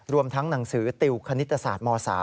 รวมทั้งหนังสือติวคณิตศาสตร์ม๓